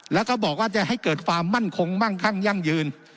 แล้วก็บอกว่าจะให้เกิดความมั่นคงมั่งคั่งยั่งยืน